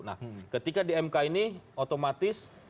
nah ketika di mk ini otomatis